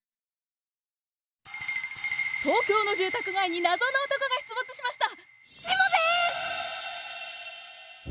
東京の住宅街に謎の男が出没しました！